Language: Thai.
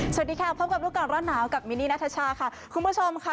สวัสดีค่ะพบกับรุกรรมรอดหนาวกับมินีนาธิชชาค่ะคุณผู้ชมค่ะ